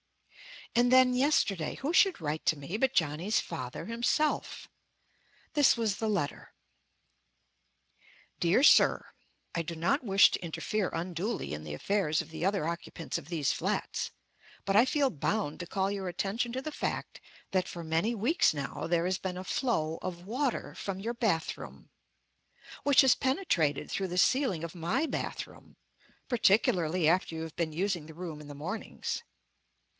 And then, yesterday, who should write to me but Johnny's father himself. This was the letter: "Dear Sir I do not wish to interfere unduly in the affairs of the other occupants of these flats, but I feel bound to call your attention to the fact that for many weeks now there has been a flow of water from your bathroom, which has penetrated through the ceiling of my bathroom, particularly after you have been using the room in the mornings.